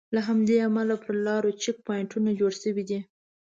له همدې امله پر لارو چیک پواینټونه جوړ شوي دي.